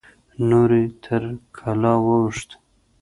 نورې تر کلا واوښتې.